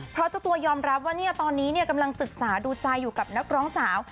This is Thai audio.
เพราะเจ้าตัวยอมรับว่าตอนนี้กำลังศึกษาดูใจอยู่กับนักร้องสาว